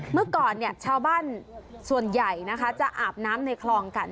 เมื่อก่อนชาวบ้านส่วนใหญ่นะคะจะอาบน้ำในคลองกัน